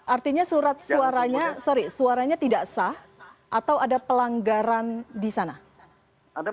artinya surat suaranya sorry suaranya tidak sah atau ada pelanggaran di sana